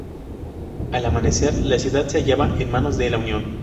Al amanecer la ciudad se hallaba en manos de la Unión.